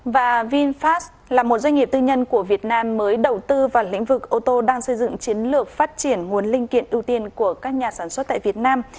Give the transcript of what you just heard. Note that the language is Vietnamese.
và vinfast là một doanh nghiệp tư nhân của việt nam mới đầu tư vào lĩnh vực ô tô đang xây dựng chiến lược phát triển nguồn linh kiện ưu tiên của các nhà sản xuất tại việt nam